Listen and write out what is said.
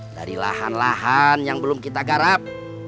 dari lahan lahan yang belum kita garap